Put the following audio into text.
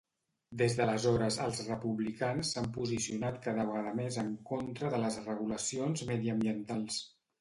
Des d'aleshores els Republicans s'han posicionat cada vegada més en contra de les regulacions mediambientals.